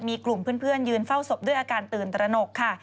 มีกลุ่มเพื่อนยืนเฝ้าศพด้วยอาการตื่นตระหนกค่ะ